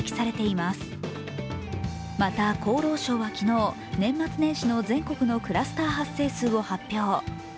また、厚労省は昨日、年末年始の全国のクラスター発生数を発表。